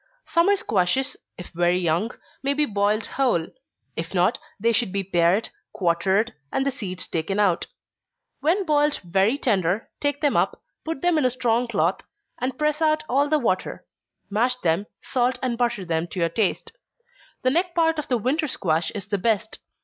_ Summer squashes, if very young, may be boiled whole if not, they should be pared, quartered, and the seeds taken out. When boiled very tender, take them up, put them in a strong cloth, and press out all the water mash them, salt and butter them to your taste. The neck part of the winter squash is the best.